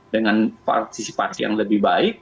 dengan partisipasi yang lebih baik